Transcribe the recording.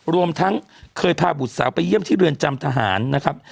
รวมทั้งเคยพาบุตรสาวไปเยี่ยมที่เรือนจำทหารนะครับ